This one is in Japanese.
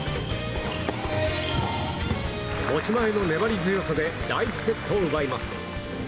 持ち前の粘り強さで第１セットを奪います。